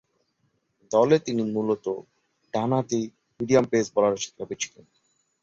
দলে তিনি মূলতঃ ডানহাতি মিডিয়াম পেস বোলার ছিলেন।